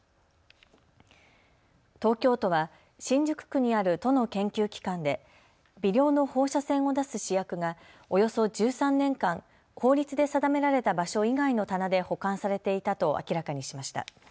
東京都は新宿区にある都の研究機関で微量の放射線を出す試薬がおよそ１３年間、法律で定められた場所以外の棚で保管されていたと明らかにしました。